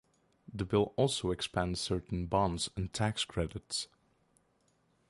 The bill also expands certain bonds and tax credits.